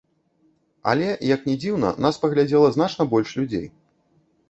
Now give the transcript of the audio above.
Але, як ні дзіўна, нас паглядзела значна больш людзей.